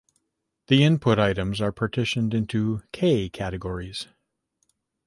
The input items are partitioned into "k" categories.